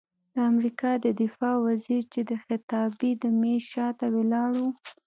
د امریکا د دفاع وزیر چې د خطابې د میز شاته ولاړ و،